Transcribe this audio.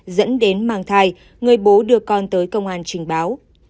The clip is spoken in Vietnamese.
dẫn đến mang thai người bố đưa con tới công an trình báo